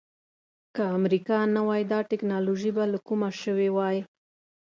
که امریکا نه وای دا ټکنالوجي به له کومه شوې وای.